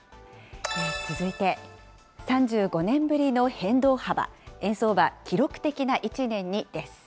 続いて、３５年ぶりの変動幅、円相場、記録的な１年にです。